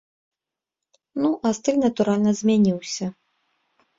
Ну, а стыль, натуральна, змяніўся.